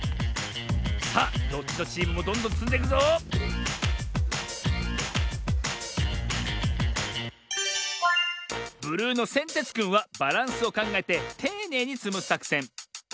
さあどっちのチームもどんどんつんでくぞブルーのせんてつくんはバランスをかんがえてていねいにつむさくせん。